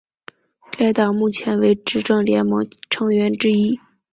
该党目前为执政联盟成员之一。